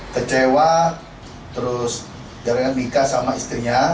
kecewa terus jarang nikah sama istrinya